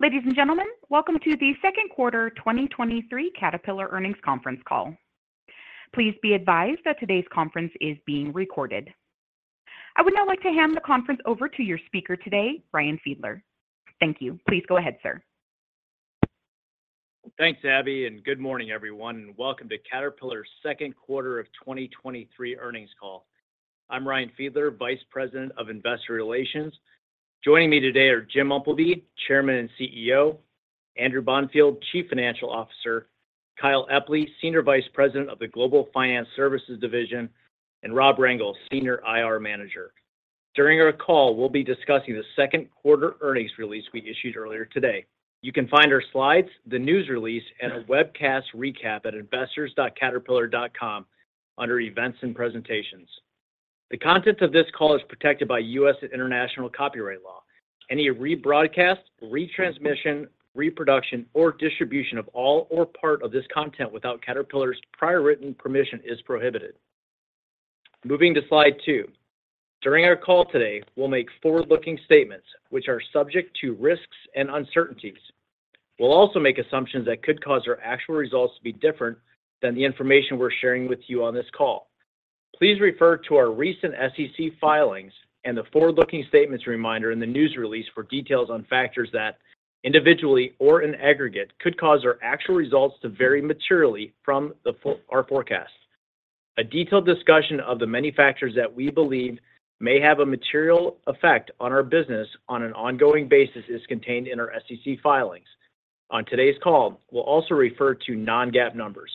Ladies and gentlemen, welcome to the second quarter 2023 Caterpillar Earnings Conference Call. Please be advised that today's conference is being recorded. I would now like to hand the conference over to your speaker today, Ryan Fiedler. Thank you. Please go ahead, sir. Thanks, Abby, and good morning, everyone, and welcome to Caterpillar's second quarter of 2023 earnings call. I'm Ryan Fiedler, Vice President of Investor Relations. Joining me today are Jim Umpleby, Chairman and CEO; Andrew Bonfield, Chief Financial Officer; Kyle Epley, Senior Vice President of the Global Finance Services Division; and Rob Rangel, Senior IR Manager. During our call, we'll be discussing the second quarter earnings release we issued earlier today. You can find our slides, the news release, and a webcast recap at investors.caterpillar.com under Events and Presentations. The content of this call is protected by U.S. and international copyright law. Any rebroadcast, retransmission, reproduction, or distribution of all or part of this content without Caterpillar's prior written permission is prohibited. Moving to slide two. During our call today, we'll make forward-looking statements which are subject to risks and uncertainties. We'll also make assumptions that could cause our actual results to be different than the information we're sharing with you on this call. Please refer to our recent SEC filings and the forward-looking statements reminder in the news release for details on factors that, individually or in aggregate, could cause our actual results to vary materially from our forecast. A detailed discussion of the many factors that we believe may have a material effect on our business on an ongoing basis is contained in our SEC filings. On today's call, we'll also refer to non-GAAP numbers.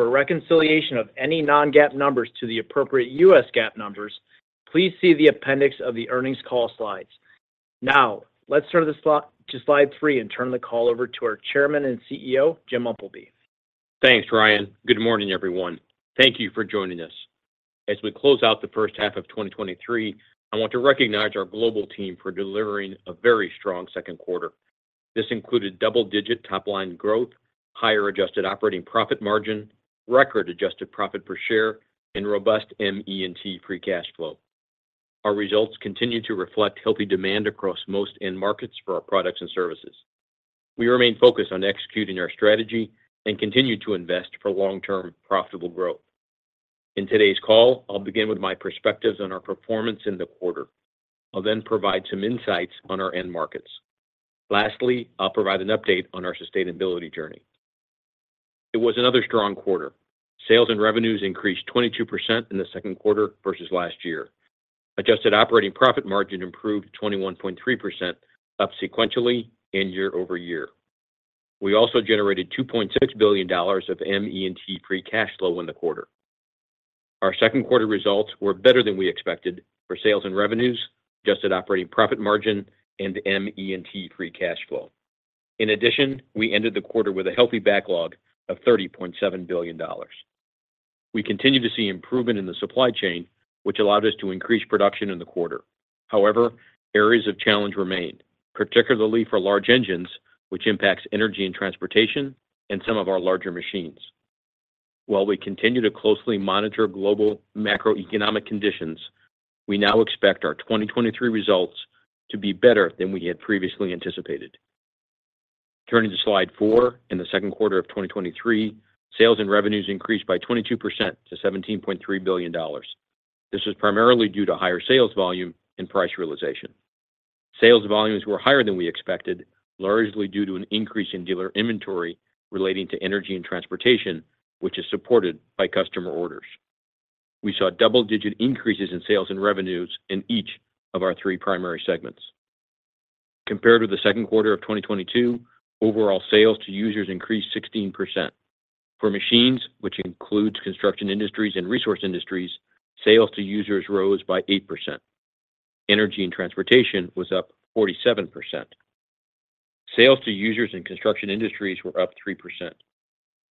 For a reconciliation of any non-GAAP numbers to the appropriate U.S. GAAP numbers, please see the appendix of the earnings call slides. Let's turn to slide three and turn the call over to our Chairman and CEO, Jim Umpleby. Thanks, Ryan. Good morning, everyone. Thank you for joining us. As we close out the first half of 2023, I want to recognize our global team for delivering a very strong second quarter. This included double-digit top-line growth, higher adjusted operating profit margin, record adjusted profit per share, and robust ME&T free cash flow. Our results continue to reflect healthy demand across most end markets for our products and services. We remain focused on executing our strategy and continue to invest for long-term profitable growth. In today's call, I'll begin with my perspectives on our performance in the quarter. I'll provide some insights on our end markets. Lastly, I'll provide an update on our sustainability journey. It was another strong quarter. Sales and revenues increased 22% in the second quarter versus last year. Adjusted operating profit margin improved to 21.3%, up sequentially and year-over-year. We also generated $2.6 billion of ME&T free cash flow in the quarter. Our second quarter results were better than we expected for sales and revenues, adjusted operating profit margin, and ME&T free cash flow. In addition, we ended the quarter with a healthy backlog of $30.7 billion. We continue to see improvement in the supply chain, which allowed us to increase production in the quarter. However, areas of challenge remain, particularly for large engines, which impacts Energy & Transportation and some of our larger machines. While we continue to closely monitor global macroeconomic conditions, we now expect our 2023 results to be better than we had previously anticipated. Turning to slide four, in the 2Q 2023, sales and revenues increased by 22% to $17.3 billion. This was primarily due to higher sales volume and price realization. Sales volumes were higher than we expected, largely due to an increase in dealer inventory relating to Energy & Transportation, which is supported by customer orders. We saw double-digit increases in sales and revenues in each of our three primary segments. Compared with the 2Q 2022, overall sales to users increased 16%. For machines, which includes Construction Industries and Resource Industries, sales to users rose by 8%. Energy & Transportation was up 47%. Sales to users in Construction Industries were up 3%.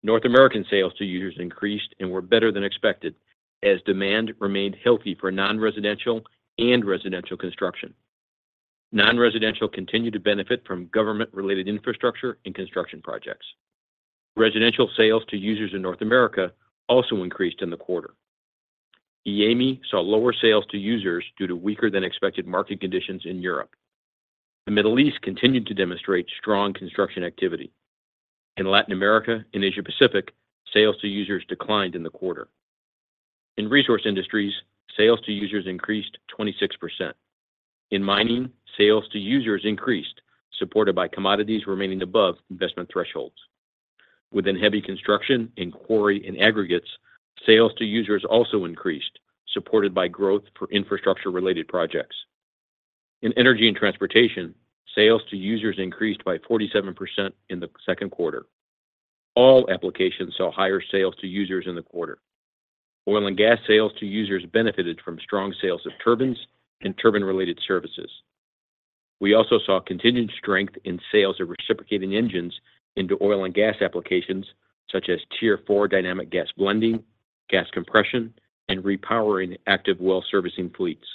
North American sales to users increased and were better than expected as demand remained healthy for non-residential and residential construction. Non-residential continued to benefit from government-related infrastructure and construction projects. Residential sales to users in North America also increased in the quarter. EAME saw lower sales to users due to weaker than expected market conditions in Europe. The Middle East continued to demonstrate strong construction activity. In Latin America and Asia-Pacific, sales to users declined in the quarter. In Resource Industries, sales to users increased 26%. In mining, sales to users increased, supported by commodities remaining above investment thresholds. Within heavy construction and quarry and aggregates, sales to users also increased, supported by growth for infrastructure-related projects. In Energy & Transportation, sales to users increased by 47% in the second quarter. All applications saw higher sales to users in the quarter. Oil and gas sales to users benefited from strong sales of turbines and turbine-related services. We also saw continued strength in sales of reciprocating engines into oil and gas applications, such as Tier 4 Dynamic Gas Blending, gas compression, and repowering active well-servicing fleets.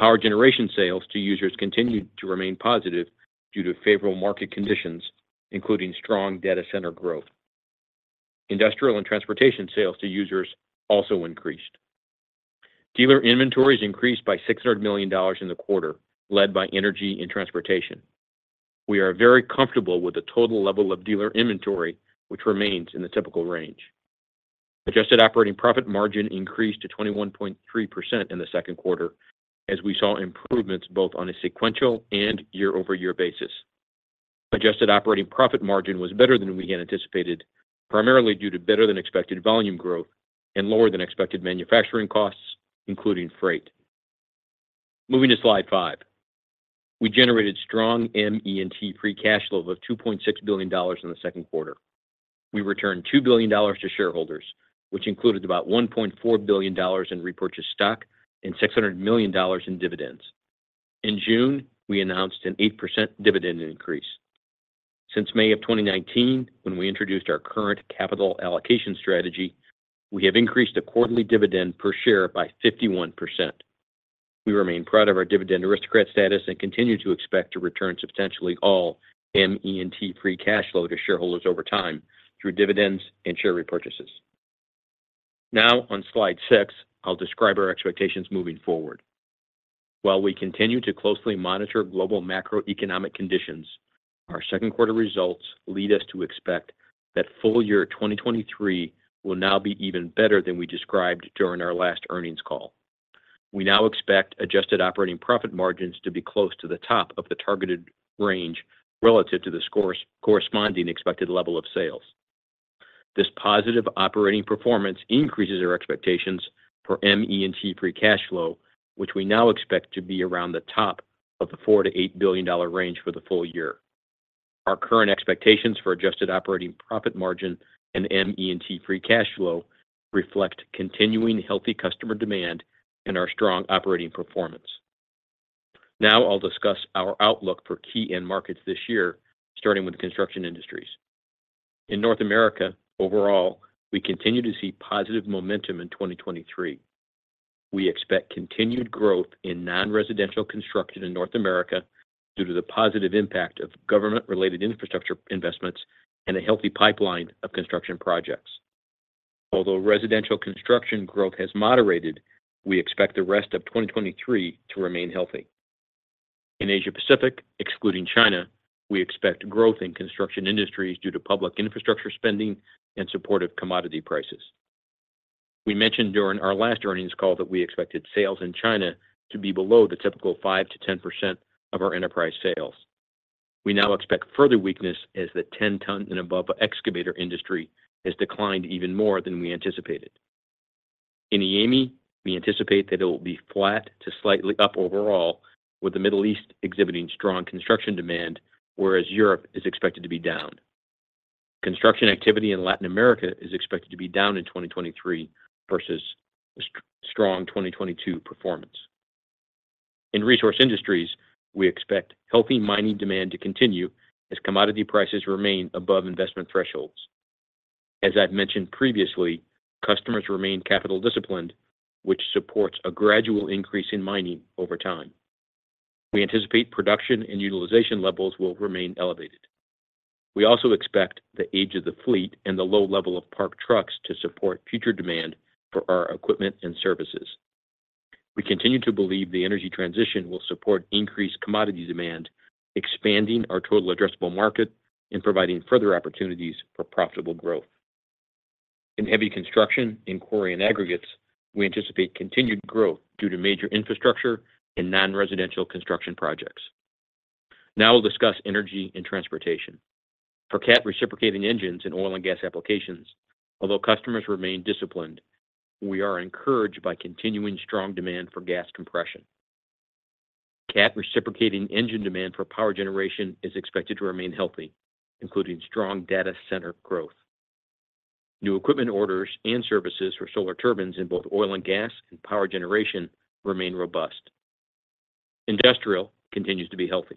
Power generation sales to users continued to remain positive due to favorable market conditions, including strong data center growth. Industrial and transportation sales to users also increased.... Dealer inventories increased by $600 million in the quarter, led by Energy & Transportation. We are very comfortable with the total level of dealer inventory, which remains in the typical range. Adjusted operating profit margin increased to 21.3% in the second quarter, as we saw improvements both on a sequential and year-over-year basis. Adjusted operating profit margin was better than we had anticipated, primarily due to better-than-expected volume growth and lower-than-expected manufacturing costs, including freight. Moving to slide five. We generated strong ME&T free cash flow of $2.6 billion in the second quarter. We returned $2 billion to shareholders, which included about $1.4 billion in repurchased stock and $600 million in dividends. In June, we announced an 8% dividend increase. Since May of 2019, when we introduced our current capital allocation strategy, we have increased the quarterly dividend per share by 51%. We remain proud of our Dividend Aristocrat status and continue to expect to return substantially all ME&T free cash flow to shareholders over time through dividends and share repurchases. Now on slide six, I'll describe our expectations moving forward. While we continue to closely monitor global macroeconomic conditions, our second quarter results lead us to expect that full year 2023 will now be even better than we described during our last earnings call. We now expect adjusted operating profit margins to be close to the top of the targeted range relative to the corresponding expected level of sales. This positive operating performance increases our expectations for ME&T free cash flow, which we now expect to be around the top of the $4 billion-$8 billion range for the full year. Our current expectations for adjusted operating profit margin and ME&T free cash flow reflect continuing healthy customer demand and our strong operating performance. Now I'll discuss our outlook for key end markets this year, starting with Construction Industries. In North America, overall, we continue to see positive momentum in 2023. We expect continued growth in non-residential construction in North America due to the positive impact of government-related infrastructure investments and a healthy pipeline of construction projects. Although residential construction growth has moderated, we expect the rest of 2023 to remain healthy. In Asia-Pacific, excluding China, we expect growth in Construction Industries due to public infrastructure spending and supportive commodity prices. We mentioned during our last earnings call that we expected sales in China to be below the typical 5%-10% of our enterprise sales. We now expect further weakness as the 10 ton and above excavator industry has declined even more than we anticipated. In EAME, we anticipate that it will be flat to slightly up overall, with the Middle East exhibiting strong construction demand, whereas Europe is expected to be down. Construction activity in Latin America is expected to be down in 2023 versus a strong 2022 performance. In Resource Industries, we expect healthy mining demand to continue as commodity prices remain above investment thresholds. As I've mentioned previously, customers remain capital disciplined, which supports a gradual increase in mining over time. We anticipate production and utilization levels will remain elevated. We also expect the age of the fleet and the low level of parked trucks to support future demand for our equipment and services. We continue to believe the energy transition will support increased commodity demand, expanding our total addressable market and providing further opportunities for profitable growth. In heavy construction, in quarry and aggregates, we anticipate continued growth due to major infrastructure and non-residential construction projects. Now we'll discuss Energy & Transportation. For Cat reciprocating engines in oil and gas applications, although customers remain disciplined, we are encouraged by continuing strong demand for gas compression. Cat reciprocating engine demand for power generation is expected to remain healthy, including strong data center growth. New equipment orders and services for Solar Turbines in both oil and gas and power generation remain robust. Industrial continues to be healthy.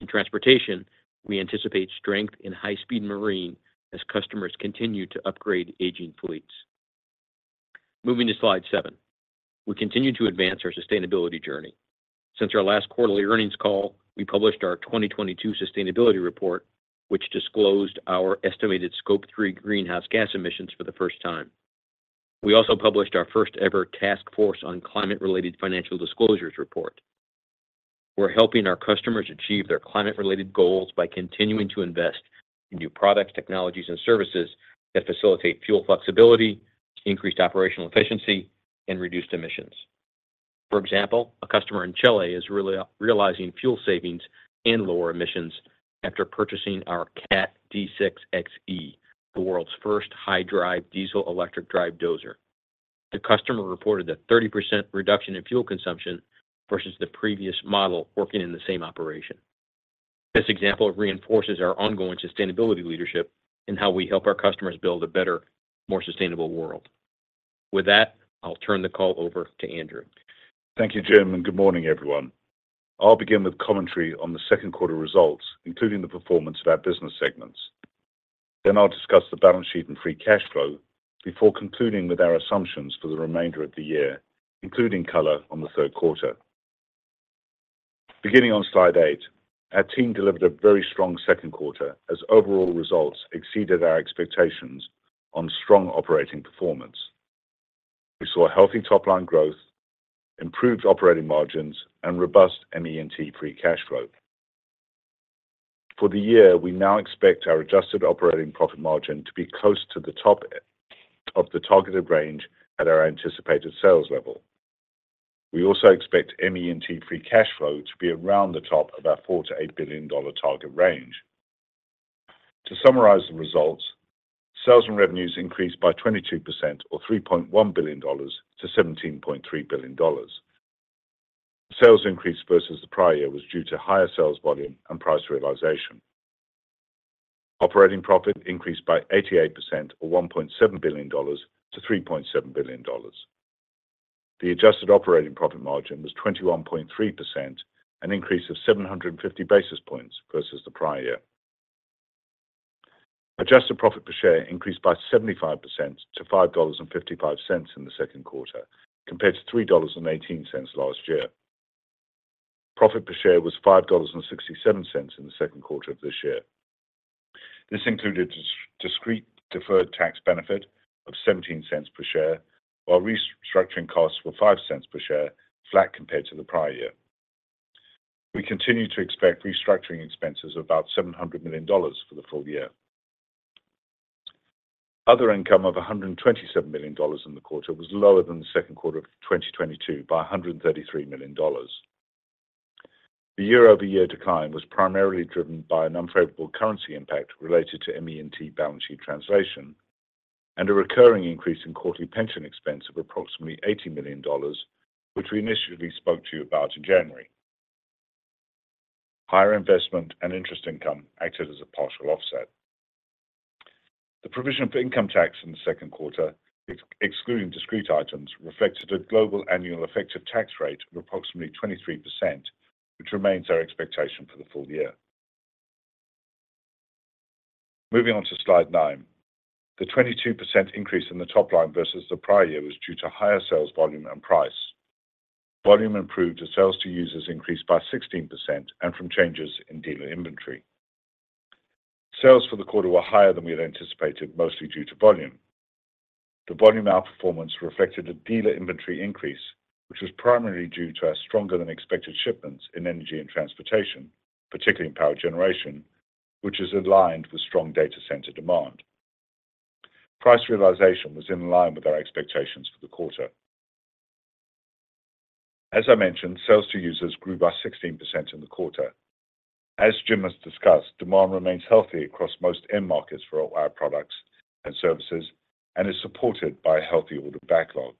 In transportation, we anticipate strength in high-speed marine as customers continue to upgrade aging fleets. Moving to slide seven. We continue to advance our sustainability journey. Since our last quarterly earnings call, we published our 2022 sustainability report, which disclosed our estimated Scope 3 greenhouse gas emissions for the first time. We also published our first-ever Task Force on Climate-related Financial Disclosures report. We're helping our customers achieve their climate-related goals by continuing to invest in new products, technologies, and services that facilitate fuel flexibility, increased operational efficiency, and reduced emissions. For example, a customer in Chile is realizing fuel savings and lower emissions after purchasing our Cat D6 XE, the world's first high-drive diesel electric drive dozer. The customer reported a 30% reduction in fuel consumption versus the previous model working in the same operation. This example reinforces our ongoing sustainability leadership and how we help our customers build a better, more sustainable world. With that, I'll turn the call over to Andrew. Thank you, Jim. Good morning, everyone. I'll begin with commentary on the second quarter results, including the performance of our business segments. I'll discuss the balance sheet and free cash flow before concluding with our assumptions for the remainder of the year, including color on the third quarter. Beginning on Slide eight, our team delivered a very strong second quarter as overall results exceeded our expectations on strong operating performance. We saw healthy top-line growth, improved operating margins, and robust ME&T free cash flow. For the year, we now expect our adjusted operating profit margin to be close to the top of the targeted range at our anticipated sales level. We also expect ME&T free cash flow to be around the top of our $4 billion-$8 billion target range. To summarize the results, sales and revenues increased by 22% or $3.1 billion to $17.3 billion. Sales increase versus the prior year was due to higher sales volume and price realization. Operating profit increased by 88%, or $1.7 billion to $3.7 billion. The adjusted operating profit margin was 21.3%, an increase of 750 basis points versus the prior year. Adjusted profit per share increased by 75% to $5.55 in the second quarter, compared to $3.18 last year. Profit per share was $5.67 in the second quarter of this year. This included discrete deferred tax benefit of $0.17 per share, while restructuring costs were $0.05 per share, flat compared to the prior year. We continue to expect restructuring expenses of about $700 million for the full year. Other income of $127 million in the quarter was lower than the second quarter of 2022 by $133 million. The year-over-year decline was primarily driven by an unfavorable currency impact related to ME&T balance sheet translation and a recurring increase in quarterly pension expense of approximately $80 million, which we initially spoke to you about in January. Higher investment and interest income acted as a partial offset. The provision for income tax in the second quarter, excluding discrete items, reflected a global annual effective tax rate of approximately 23%, which remains our expectation for the full year. Moving on to slide nine. The 22% increase in the top line versus the prior year was due to higher sales volume and price. Volume improved as sales to users increased by 16% and from changes in dealer inventory. Sales for the quarter were higher than we had anticipated, mostly due to volume. The volume outperformance reflected a dealer inventory increase, which was primarily due to our stronger-than-expected shipments in Energy & Transportation, particularly in power generation, which is aligned with strong data center demand. Price realization was in line with our expectations for the quarter. As I mentioned, sales to users grew by 16% in the quarter. As Jim has discussed, demand remains healthy across most end markets for our products and services and is supported by a healthy order backlog.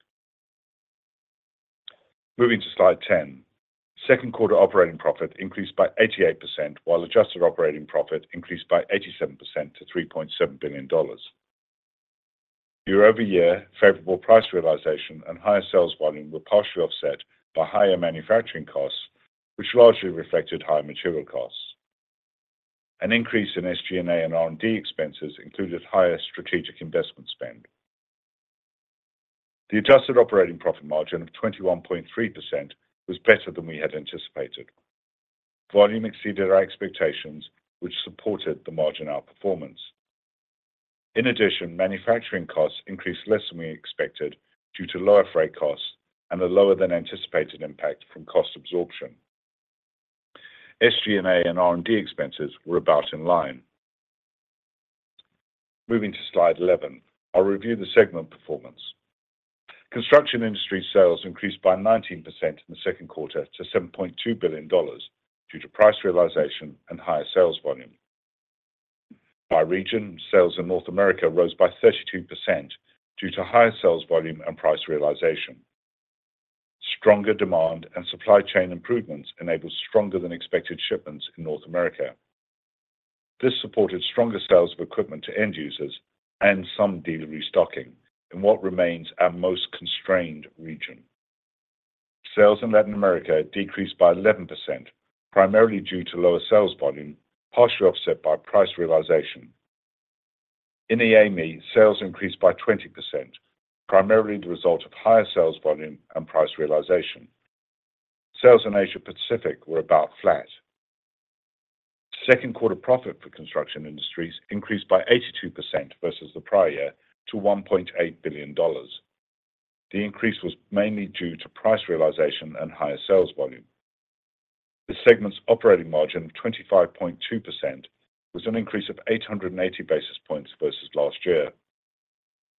Moving to Slide 10. Second quarter operating profit increased by 88%, while adjusted operating profit increased by 87% to $3.7 billion. Year-over-year, favorable price realization and higher sales volume were partially offset by higher manufacturing costs, which largely reflected higher material costs. An increase in SG&A and R&D expenses included higher strategic investment spend. The adjusted operating profit margin of 21.3% was better than we had anticipated. Volume exceeded our expectations, which supported the margin outperformance. In addition, manufacturing costs increased less than we expected due to lower freight costs and a lower than anticipated impact from cost absorption. SG&A and R&D expenses were about in line. Moving to Slide 11, I'll review the segment performance. Construction Industries sales increased by 19% in the second quarter to $7.2 billion due to price realization and higher sales volume. By region, sales in North America rose by 32% due to higher sales volume and price realization. Stronger demand and supply chain improvements enabled stronger-than-expected shipments in North America. This supported stronger sales of equipment to end users and some dealer restocking in what remains our most constrained region. Sales in Latin America decreased by 11%, primarily due to lower sales volume, partially offset by price realization. In EAME, sales increased by 20%, primarily the result of higher sales volume and price realization. Sales in Asia-Pacific were about flat. Second quarter profit for Construction Industries increased by 82% versus the prior year to $1.8 billion. The increase was mainly due to price realization and higher sales volume. The segment's operating margin of 25.2% was an increase of 880 basis points versus last year.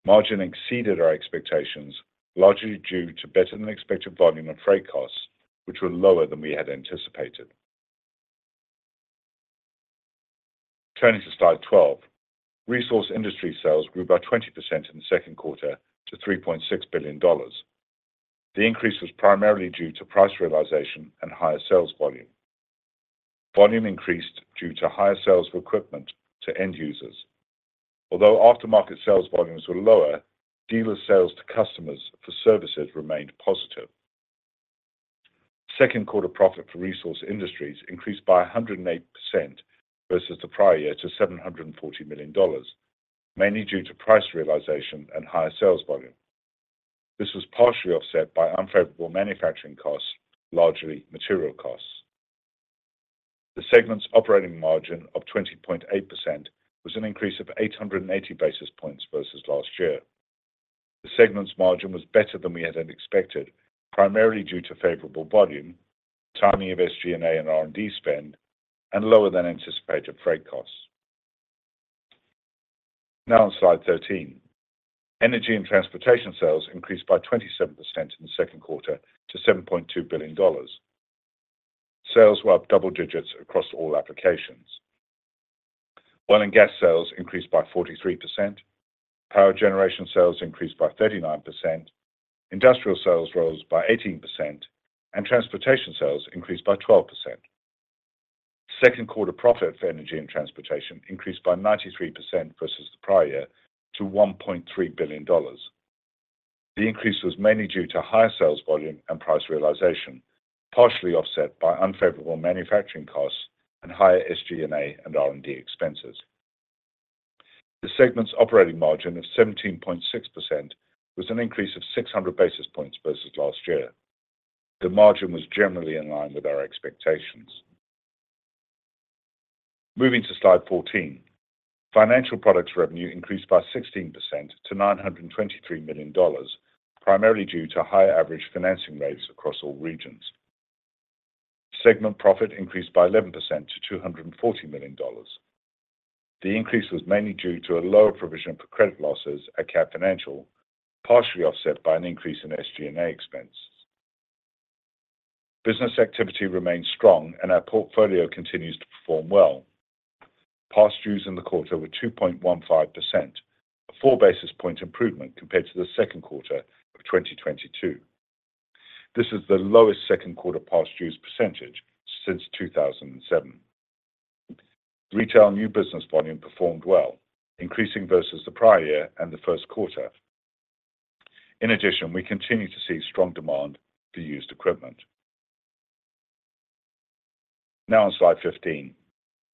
Margin exceeded our expectations, largely due to better-than-expected volume and freight costs, which were lower than we had anticipated. Turning to Slide 12, Resource Industries sales grew by 20% in the second quarter to $3.6 billion. The increase was primarily due to price realization and higher sales volume. Volume increased due to higher sales of equipment to end users. Although aftermarket sales volumes were lower, dealer sales to customers for services remained positive. Second quarter profit for Resource Industries increased by 108% versus the prior year to $740 million, mainly due to price realization and higher sales volume. This was partially offset by unfavorable manufacturing costs, largely material costs. The segment's operating margin of 20.8% was an increase of 880 basis points versus last year. The segment's margin was better than we had expected, primarily due to favorable volume, timing of SG&A and R&D spend, and lower than anticipated freight costs. Now on slide 13. Energy & Transportation sales increased by 27% in the second quarter to $7.2 billion. Sales were up double digits across all applications. Oil and gas sales increased by 43%, power generation sales increased by 39%, industrial sales rose by 18%, and transportation sales increased by 12%. Second quarter profit for Energy & Transportation increased by 93% versus the prior year to $1.3 billion. The increase was mainly due to higher sales volume and price realization, partially offset by unfavorable manufacturing costs and higher SG&A and R&D expenses. The segment's operating margin of 17.6% was an increase of 600 basis points versus last year. The margin was generally in line with our expectations. Moving to slide 14. Financial products revenue increased by 16% to $923 million, primarily due to higher average financing rates across all regions. Segment profit increased by 11% to $240 million. The increase was mainly due to a lower provision for credit losses at Cat Financial, partially offset by an increase in SG&A expenses. Business activity remains strong, and our portfolio continues to perform well. Past dues in the quarter were 2.15%, a 4 basis point improvement compared to the second quarter of 2022. This is the lowest second quarter past dues percentage since 2007. Retail new business volume performed well, increasing versus the prior year and the first quarter. In addition, we continue to see strong demand for used equipment. Now on slide 15.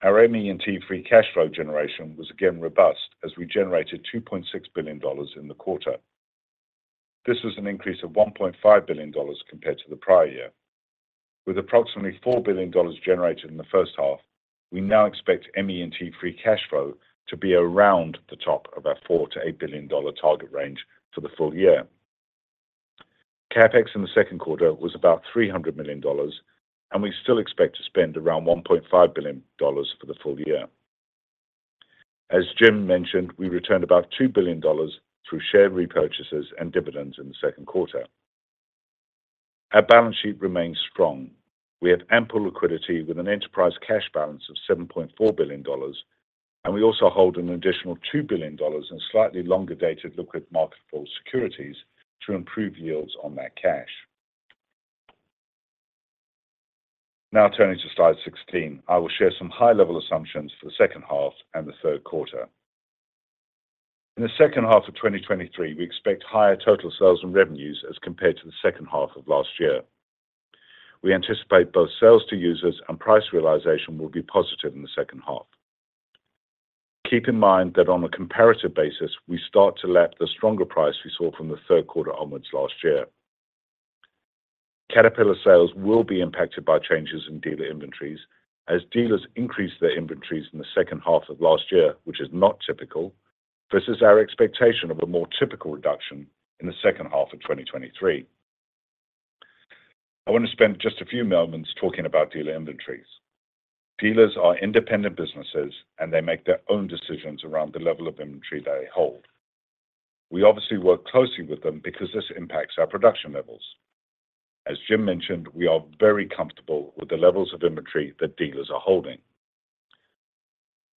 Our ME&T free cash flow generation was again robust as we generated $2.6 billion in the quarter. This was an increase of $1.5 billion compared to the prior year. With approximately $4 billion generated in the first half, we now expect ME&T free cash flow to be around the top of our $4 billion-$8 billion target range for the full year. CapEx in the second quarter was about $300 million, and we still expect to spend around $1.5 billion for the full year. As Jim mentioned, we returned about $2 billion through share repurchases and dividends in the second quarter. Our balance sheet remains strong. We have ample liquidity with an enterprise cash balance of $7.4 billion. We also hold an additional $2 billion in slightly longer-dated liquid marketable securities to improve yields on that cash. Now turning to slide 16, I will share some high-level assumptions for the second half and the third quarter. In the second half of 2023, we expect higher total sales and revenues as compared to the second half of last year. We anticipate both sales to users and price realization will be positive in the second half. Keep in mind that on a comparative basis, we start to lap the stronger price we saw from the third quarter onwards last year. Caterpillar sales will be impacted by changes in dealer inventories as dealers increase their inventories in the second half of last year, which is not typical, versus our expectation of a more typical reduction in the second half of 2023. I want to spend just a few moments talking about dealer inventories. Dealers are independent businesses, and they make their own decisions around the level of inventory they hold. We obviously work closely with them because this impacts our production levels. As Jim mentioned, we are very comfortable with the levels of inventory that dealers are holding.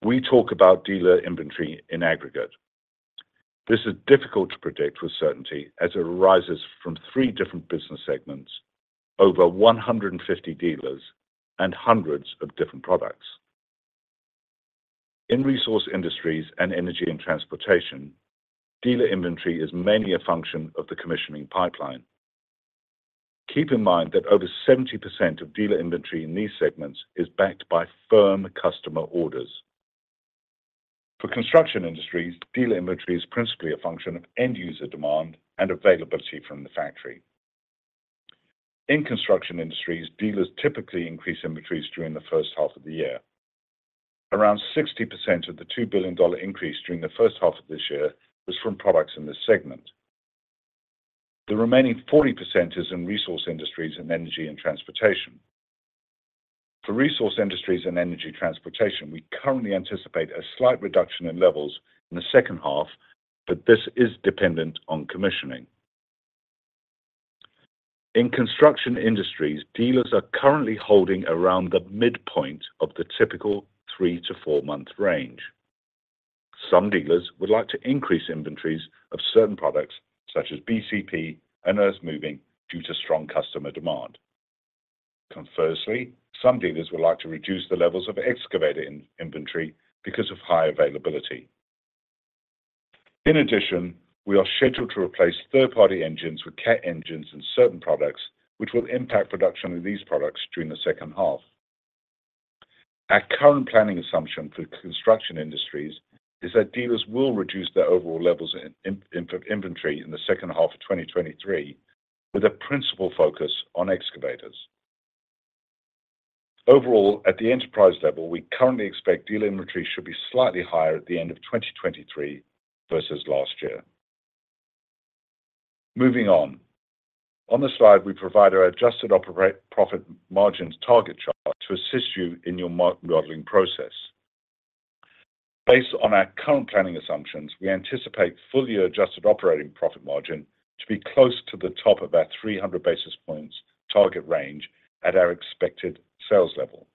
We talk about dealer inventory in aggregate. This is difficult to predict with certainty as it arises from three different business segments, over 150 dealers, and hundreds of different products. In Resource Industries and Energy & Transportation, dealer inventory is mainly a function of the commissioning pipeline. Keep in mind that over 70% of dealer inventory in these segments is backed by firm customer orders. For Construction Industries, dealer inventory is principally a function of end user demand and availability from the factory. In Construction Industries, dealers typically increase inventories during the first half of the year. Around 60% of the $2 billion increase during the first half of this year was from products in this segment. The remaining 40% is in Resource Industries and Energy & Transportation. For Resource Industries and Energy & Transportation, we currently anticipate a slight reduction in levels in the second half, but this is dependent on commissioning. In Construction Industries, dealers are currently holding around the midpoint of the typical three to four month range. Some dealers would like to increase inventories of certain products, such as BCP and earthmoving, due to strong customer demand. Conversely, some dealers would like to reduce the levels of excavator in inventory because of high availability. In addition, we are scheduled to replace third-party engines with Cat engines in certain products, which will impact production of these products during the second half. Our current planning assumption for Construction Industries is that dealers will reduce their overall levels in inventory in the second half of 2023, with a principal focus on excavators. Overall, at the enterprise level, we currently expect dealer inventory should be slightly higher at the end of 2023 versus last year. Moving on. On the slide, we provide our adjusted operate profit margins target chart to assist you in your modeling process. Based on our current planning assumptions, we anticipate full-year adjusted operating profit margin to be close to the top of our 300 basis points target range at our expected sales level.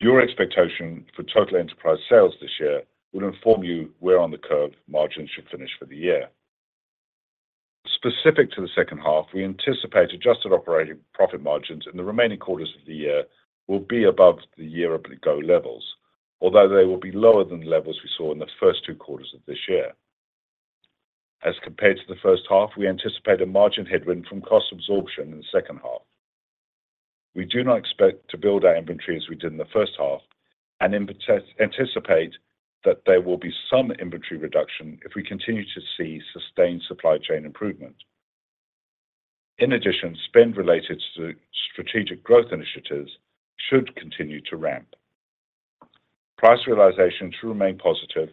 Your expectation for total enterprise sales this year will inform you where on the curve margins should finish for the year. Specific to the second half, we anticipate adjusted operating profit margins in the remaining quarters of the year will be above the year-ago levels, although they will be lower than the levels we saw in the first two quarters of this year. As compared to the first half, we anticipate a margin headwind from cost absorption in the second half. We do not expect to build our inventory as we did in the first half and anticipate that there will be some inventory reduction if we continue to see sustained supply chain improvement. In addition, spend related to strategic growth initiatives should continue to ramp. Price realization should remain positive,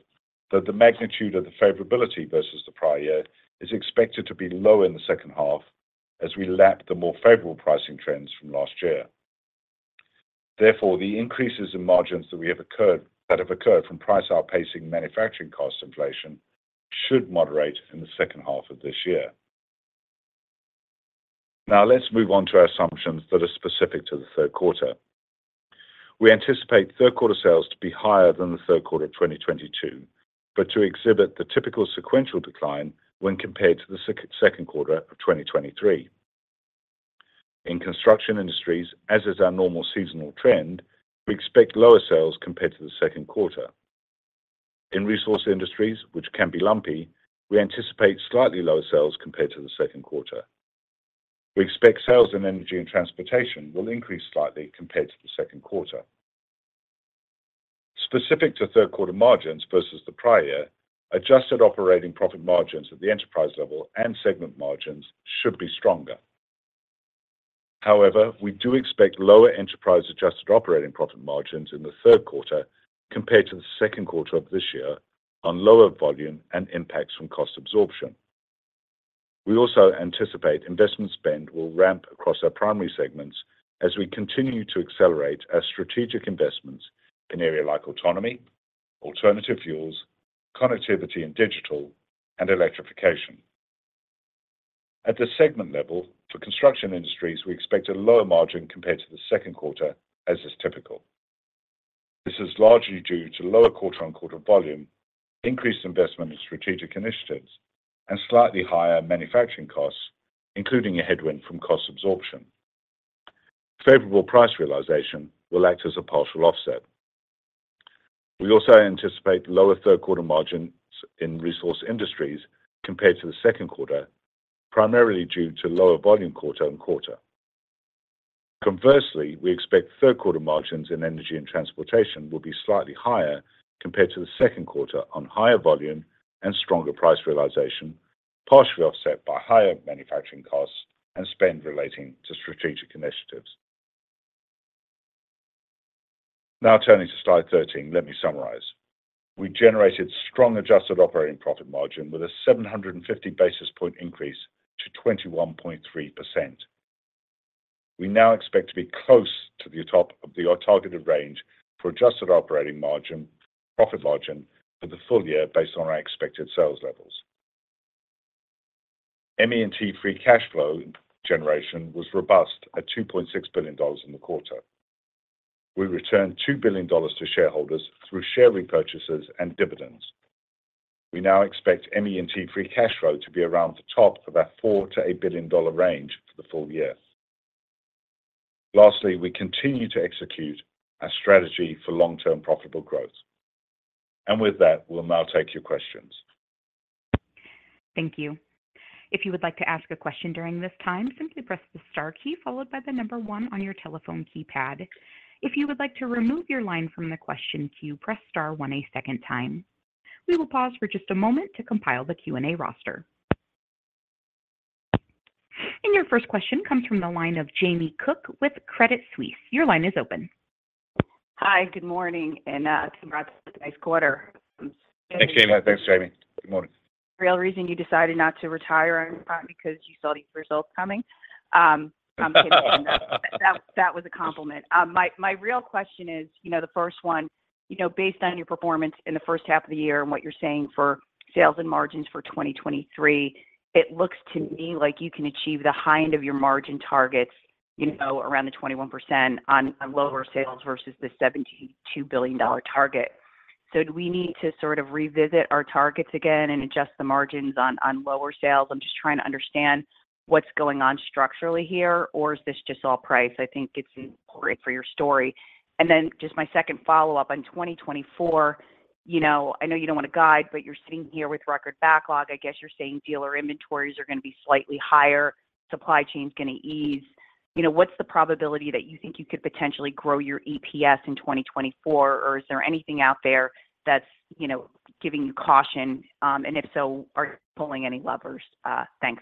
though the magnitude of the favorability versus the prior year is expected to be lower in the second half as we lap the more favorable pricing trends from last year. Therefore, the increases in margins that have occurred from price outpacing manufacturing cost inflation should moderate in the second half of this year. Now, let's move on to our assumptions that are specific to the third quarter. We anticipate third quarter sales to be higher than the third quarter of 2022, but to exhibit the typical sequential decline when compared to the second quarter of 2023. In Construction Industries, as is our normal seasonal trend, we expect lower sales compared to the second quarter. In Resource Industries, which can be lumpy, we anticipate slightly lower sales compared to the second quarter. We expect sales in Energy & Transportation will increase slightly compared to the second quarter. Specific to third quarter margins versus the prior year, adjusted operating profit margins at the enterprise level and segment margins should be stronger. We do expect lower enterprise-adjusted operating profit margins in the third quarter compared to the second quarter of this year on lower volume and impacts from cost absorption. We also anticipate investment spend will ramp across our primary segments as we continue to accelerate our strategic investments in areas like autonomy, alternative fuels, connectivity and digital, and electrification. At the segment level, for Construction Industries, we expect a lower margin compared to the second quarter, as is typical. This is largely due to lower quarter-on-quarter volume, increased investment in strategic initiatives, and slightly higher manufacturing costs, including a headwind from cost absorption. Favorable price realization will act as a partial offset. We also anticipate lower third quarter margins in Resource Industries compared to the second quarter, primarily due to lower volume quarter and quarter. Conversely, we expect third quarter margins in Energy & Transportation will be slightly higher compared to the second quarter on higher volume and stronger price realization, partially offset by higher manufacturing costs and spend relating to strategic initiatives. Now, turning to slide 13, let me summarize. We generated strong adjusted operating profit margin with a 750 basis point increase to 21.3%. We now expect to be close to the top of our targeted range for adjusted operating margin, profit margin for the full year based on our expected sales levels. ME&T free cash flow generation was robust at $2.6 billion in the quarter. We returned $2 billion to shareholders through share repurchases and dividends. We now expect ME&T free cash flow to be around the top of our $4 billion-$8 billion range for the full year. Lastly, we continue to execute our strategy for long-term profitable growth. With that, we'll now take your questions. Thank you. If you would like to ask a question during this time, simply press the star key followed by the one on your telephone keypad. If you would like to remove your line from the question queue, press star one a second time. We will pause for just a moment to compile the Q&A roster. Your first question comes from the line of Jamie Cook with Credit Suisse. Your line is open. Hi, good morning, and congrats on the nice quarter. Thanks, Jamie. Thanks, Jamie. Good morning. Real reason you decided not to retire, in part because you saw these results coming? That, that was a compliment. My, my real question is, you know, the first one, you know, based on your performance in the first half of the year and what you're saying for sales and margins for 2023, it looks to me like you can achieve the high end of your margin targets, you know, around the 21% on, on lower sales versus the $72 billion target. Do we need to sort of revisit our targets again and adjust the margins on, on lower sales? I'm just trying to understand what's going on structurally here, or is this just all price? I think it's important for your story. Then just my second follow-up on 2024, you know, I know you don't want to guide, but you're sitting here with record backlog. I guess you're saying dealer inventories are going to be slightly higher, supply chain is going to ease. You know, what's the probability that you think you could potentially grow your EPS in 2024? Is there anything out there that's, you know, giving you caution? And if so, are you pulling any levers? Thanks.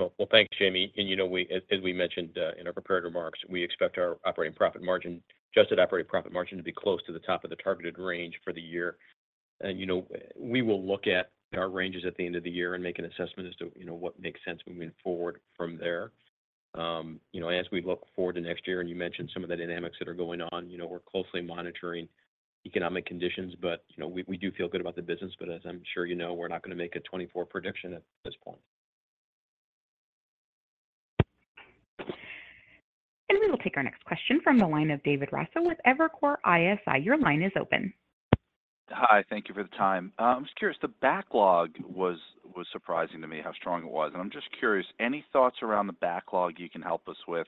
Well, well, thanks, Jamie. You know, we, as, as we mentioned, in our prepared remarks, we expect our operating profit margin, adjusted operating profit margin to be close to the top of the targeted range for the year. You know, we will look at our ranges at the end of the year and make an assessment as to, you know, what makes sense moving forward from there. You know, as we look forward to next year, and you mentioned some of the dynamics that are going on, you know, we're closely monitoring economic conditions, but, you know, we, we do feel good about the business. As I'm sure you know, we're not gonna make a 2024 prediction at this point. We will take our next question from the line of David Raso with Evercore ISI. Your line is open. Hi. Thank you for the time. I was curious, the backlog was, was surprising to me how strong it was, and I'm just curious, any thoughts around the backlog you can help us with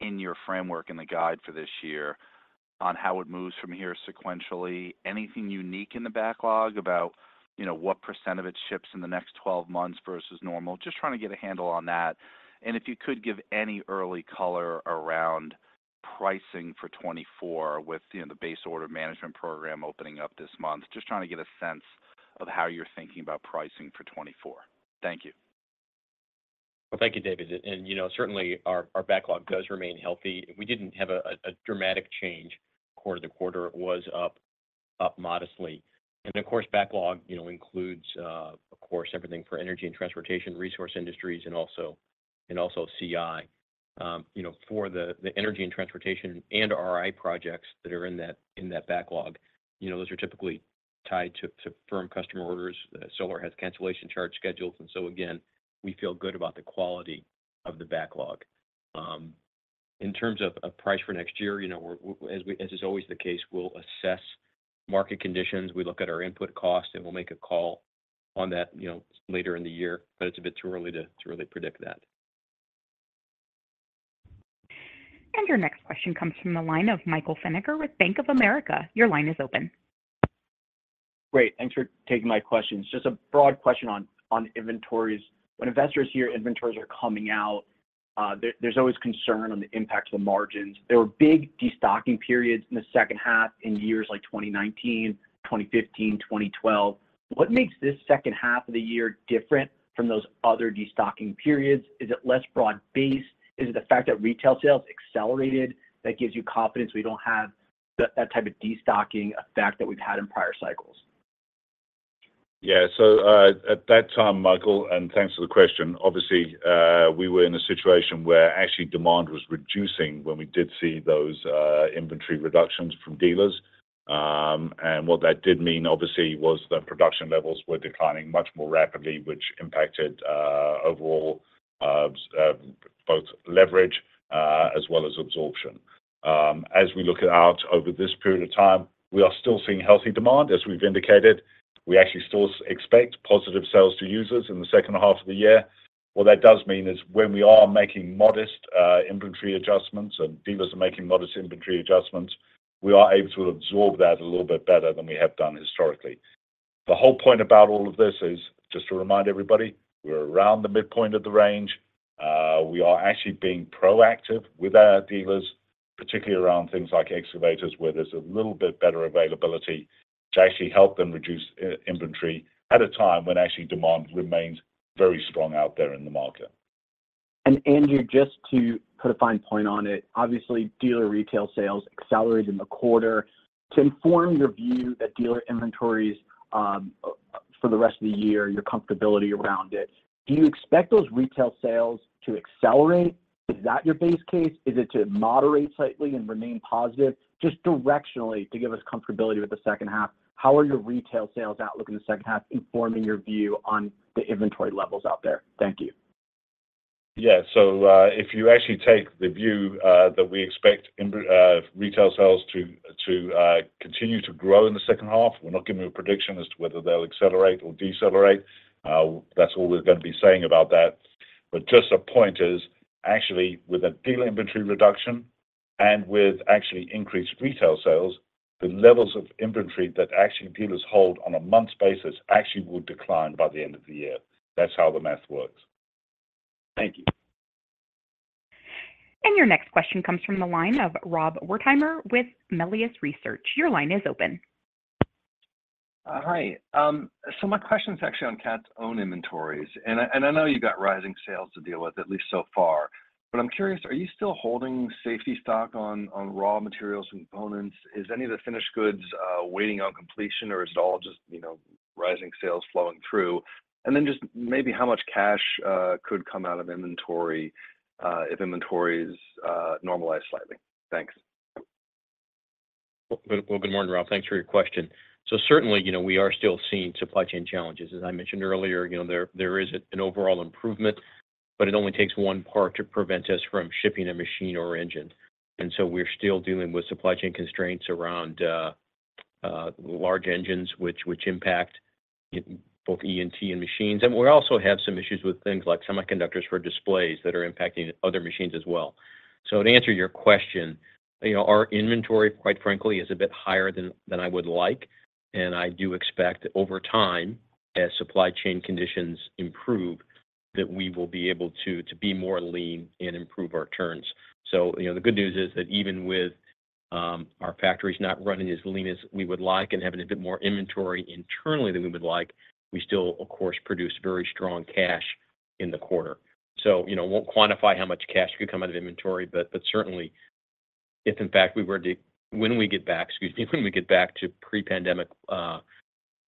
in your framework and the guide for this year on how it moves from here sequentially? Anything unique in the backlog about, you know, what percent of it ships in the next 12 months versus normal? Just trying to get a handle on that. If you could give any early color around pricing for 2024 with, you know, the Base Order Management program opening up this month. Just trying to get a sense of how you're thinking about pricing for 2024. Thank you. Well, thank you, David. You know, certainly our, our backlog does remain healthy. We didn't have a, a dramatic change quarter to quarter. It was up, up modestly. Of course, backlog, you know, includes, of course, everything for Energy & Transportation, Resource Industries, and also, and also CI. You know, for the, the Energy & Transportation and RI projects that are in that, in that backlog, you know, those are typically tied to, to firm customer orders. Solar has cancellation charge schedules, and so again, we feel good about the quality of the backlog. In terms of, of price for next year, you know, as is always the case, we'll assess market conditions. We look at our input cost, and we'll make a call on that, you know, later in the year.It's a bit too early to, to really predict that. Your next question comes from the line of Michael Feniger with Bank of America. Your line is open. Great. Thanks for taking my questions. Just a broad question on, on inventories. When investors hear inventories are coming out, there, there's always concern on the impact to the margins. There were big destocking periods in the second half in years like 2019, 2015, 2012. What makes this second half of the year different from those other destocking periods? Is it less broad-based? Is it the fact that retail sales accelerated that gives you confidence we don't have that type of destocking effect that we've had in prior cycles? Yeah. At that time, Michael, thanks for the question, obviously, we were in a situation where actually demand was reducing when we did see those inventory reductions from dealers. What that did mean, obviously, was that production levels were declining much more rapidly, which impacted overall both leverage as well as absorption. As we look out over this period of time, we are still seeing healthy demand. As we've indicated, we actually still expect positive sales to users in the second half of the year. What that does mean is when we are making modest inventory adjustments and dealers are making modest inventory adjustments, we are able to absorb that a little bit better than we have done historically. The whole point about all of this is, just to remind everybody, we're around the midpoint of the range. We are actually being proactive with our dealers, particularly around things like excavators, where there's a little bit better availability to actually help them reduce inventory at a time when actually demand remains very strong out there in the market. Andrew, just to put a fine point on it, obviously, dealer retail sales accelerated in the quarter. To inform your view that dealer inventories for the rest of the year, your comfortability around it, do you expect those retail sales to accelerate? Is that your base case? Is it to moderate slightly and remain positive? Just directionally, to give us comfortability with the second half, how are your retail sales outlook in the second half informing your view on the inventory levels out there? Thank you. Yeah. If you actually take the view that we expect in retail sales to, to continue to grow in the second half, we're not giving a prediction as to whether they'll accelerate or decelerate. That's all we're gonna be saying about that. Just a point is, actually, with a dealer inventory reduction and with actually increased retail sales, the levels of inventory that actually dealers hold on a month's basis actually will decline by the end of the year. That's how the math works. Thank you. Your next question comes from the line of Robert Wertheimer with Melius Research. Your line is open. Hi. My question is actually on Cat's own inventories. I, and I know you got rising sales to deal with, at least so far, but I'm curious, are you still holding safety stock on, on raw materials and components? Is any of the finished goods waiting on completion, or is it all just, you know, rising sales flowing through? Then just maybe how much cash could come out of inventory if inventories normalize slightly? Thanks. Well, good morning, Rob. Thanks for your question. Certainly, you know, we are still seeing supply chain challenges. As I mentioned earlier, you know, there is an overall improvement, but it only takes one part to prevent us from shipping a machine or engine. We're still dealing with supply chain constraints around large engines, which impact both E&T and machines. We also have some issues with things like semiconductors for displays that are impacting other machines as well. To answer your question, you know, our inventory, quite frankly, is a bit higher than I would like, and I do expect over time as supply chain conditions improve, that we will be able to be more lean and improve our turns. You know, the good news is that even with our factories not running as lean as we would like and having a bit more inventory internally than we would like, we still, of course, produce very strong cash in the quarter. You know, we won't quantify how much cash could come out of inventory. Certainly if in fact when we get back, excuse me, when we get back to pre-pandemic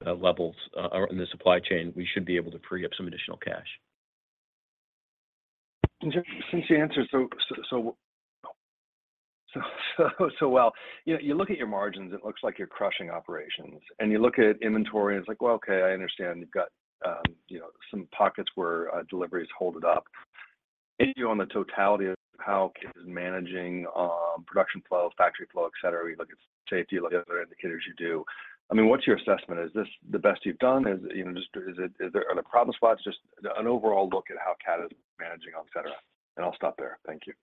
levels in the supply chain, we should be able to free up some additional cash. Since you answered so, so, so, so well, you know, you look at your margins, it looks like you're crushing operations. You look at inventory, and it's like, well, okay, I understand you've got, you know, some pockets where, deliveries hold it up. Any view on the totality of how Cat is managing, production flow, factory flow, et cetera? We look at safety, look at other indicators you do. I mean, what's your assessment? Is this the best you've done? Is, you know, just, are there problem spots? Just an overall look at how Cat is managing, et cetera. I'll stop there. Thank you.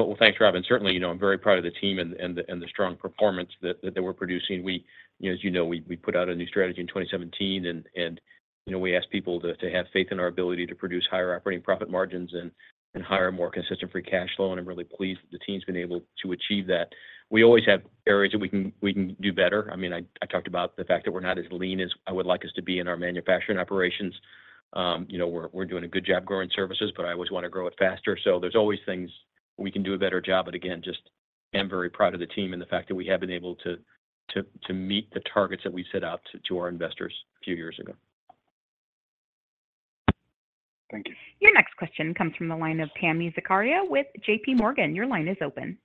Well, well, thanks, Rob, and certainly, you know, I'm very proud of the team and the, and the, and the strong performance that, that they were producing. We, as you know, we, we put out a new strategy in 2017 and, and, you know, we asked people to, to have faith in our ability to produce higher operating profit margins and, and higher, more consistent free cash flow, and I'm really pleased that the team's been able to achieve that. We always have areas that we can, we can do better. I mean, I, I talked about the fact that we're not as lean as I would like us to be in our manufacturing operations. You know, we're, we're doing a good job growing services, but I always want to grow it faster. There's always things we can do a better job, but again, just I'm very proud of the team and the fact that we have been able to meet the targets that we set out to our investors a few years ago. Thank you. Your next question comes from the line of Tami Zakaria with JPMorgan. Your line is open.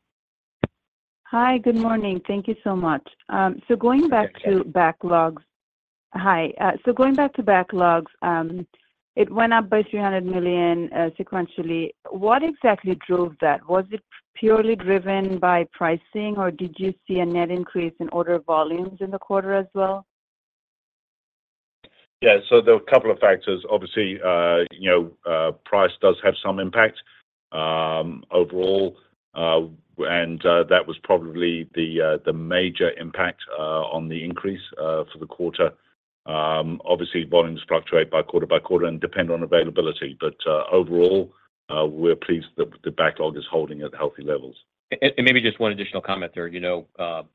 Hi, good morning. Thank you so much. going back to backlogs. Hi, going back to backlogs, it went up by $300 million sequentially. What exactly drove that? Was it purely driven by pricing, or did you see a net increase in order volumes in the quarter as well? Yeah, there were a couple of factors. Obviously, you know, price does have some impact, overall, and that was probably the major impact on the increase for the quarter. Obviously, volumes fluctuate by quarter by quarter and depend on availability. Overall, we're pleased that the backlog is holding at healthy levels. Maybe just one additional comment there. You know,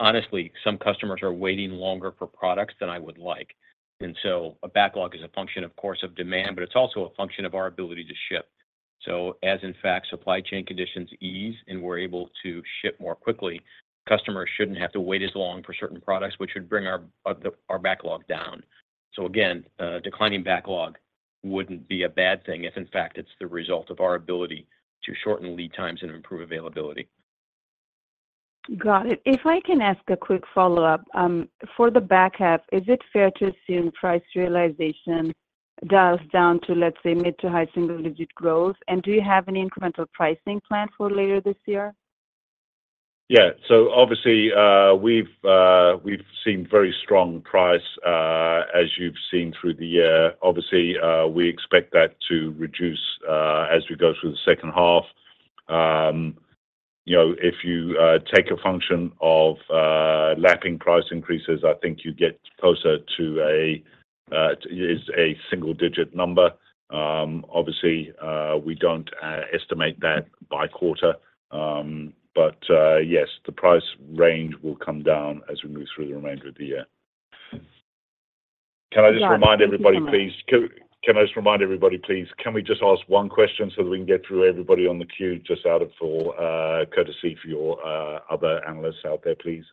honestly, some customers are waiting longer for products than I would like, so a backlog is a function, of course, of demand, but it's also a function of our ability to ship. As in fact, supply chain conditions ease and we're able to ship more quickly, customers shouldn't have to wait as long for certain products, which would bring our backlog down. Again, declining backlog wouldn't be a bad thing if in fact, it's the result of our ability to shorten lead times and improve availability. Got it. If I can ask a quick follow-up. For the back half, is it fair to assume price realization dials down to, let's say, mid-to-high single-digit growth? Do you have any incremental pricing planned for later this year? Yeah. Obviously, we've seen very strong price as you've seen through the year. Obviously, we expect that to reduce as we go through the second half. You know, if you take a function of lapping price increases, I think you get closer to a single-digit number. Obviously, we don't estimate that by quarter. Yes, the price range will come down as we move through the remainder of the year. Yeah, thank you so much- Can I just remind everybody, please, can I just remind everybody, please, can we just ask 1 question so that we can get through everybody on the queue, just out of courtesy for your other analysts out there, please?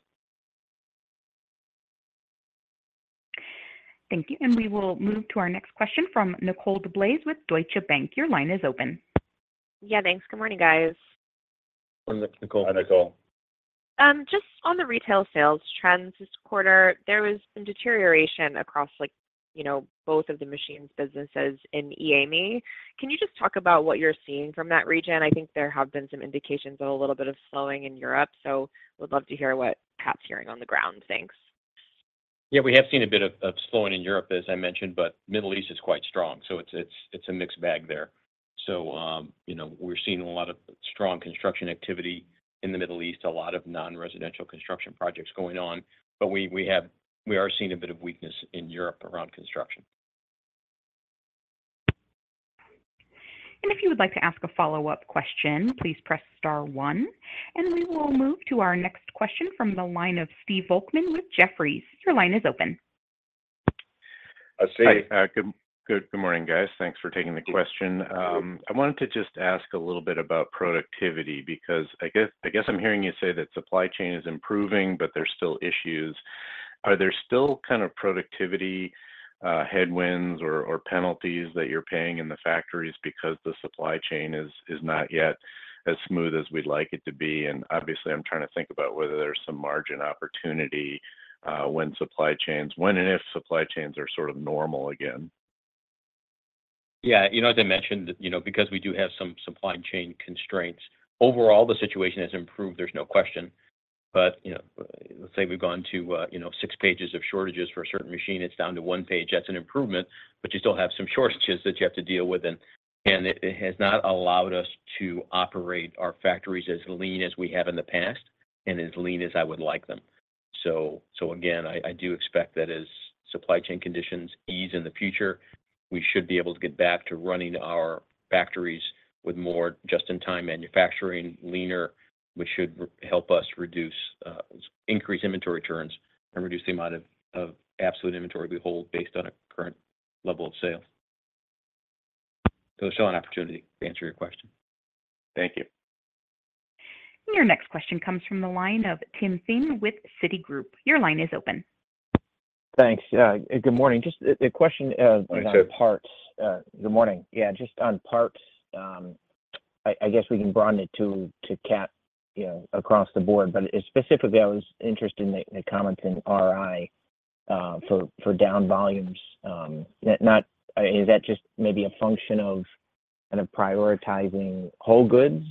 Thank you. We will move to our next question from Nicole DeBlase with Deutsche Bank. Your line is open. Yeah, thanks. Good morning, guys. Morning, Nicole. Hi, Nicole. Just on the retail sales trends this quarter, there was some deterioration across, like, you know, both of the machines businesses in EAME. Can you just talk about what you're seeing from that region? I think there have been some indications of a little bit of slowing in Europe, so would love to hear what Cat's hearing on the ground. Thanks. Yeah, we have seen a bit of, of slowing in Europe, as I mentioned, but Middle East is quite strong, so it's, it's, it's a mixed bag there. You know, we're seeing a lot of strong construction activity in the Middle East, a lot of non-residential construction projects going on, but we are seeing a bit of weakness in Europe around construction. If you would like to ask a follow-up question, please press star one, and we will move to our next question from the line of Stephen Volkmann with Jefferies. Your line is open. Steve- Hi. Good, good morning, guys. Thanks for taking the question. Yeah, sure. I wanted to just ask a little bit about productivity, because I guess, I guess I'm hearing you say that supply chain is improving, but there's still issues. Are there still kind of productivity headwinds or penalties that you're paying in the factories because the supply chain is, is not yet as smooth as we'd like it to be? Obviously, I'm trying to think about whether there's some margin opportunity when supply chains - when and if supply chains are sort of normal again. Yeah, you know, as I mentioned, you know, because we do have some supply chain constraints, overall, the situation has improved, there's no question. You know, let's say we've gone to, you know, six pages of shortages for a certain machine, it's down to one page. That's an improvement, but you still have some shortages that you have to deal with, and, and it, it has not allowed us to operate our factories as lean as we have in the past.... and as lean as I would like them. Again, I, I do expect that as supply chain conditions ease in the future, we should be able to get back to running our factories with more just-in-time manufacturing, leaner, which should help us reduce, increase inventory turns and reduce the amount of, of absolute inventory we hold based on a current level of sales. Still an opportunity, to answer your question. Thank you. Your next question comes from the line of Timothy Thein with Citigroup. Your line is open. Thanks. Good morning. Just a, a question, Good morning. On parts. Good morning. Yeah, just on parts, I, I guess we can broaden it to, to Cat, you know, across the board. Specifically, I was interested in the, the comments in RI, for, for down volumes. Is that just maybe a function of kind of prioritizing whole goods